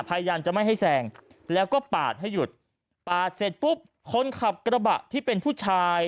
พยายามจะไม่ให้แซงแล้วก็ปาดให้หยุดปาดเสร็จปุ๊บคนขับกระบะที่เป็นผู้ชาย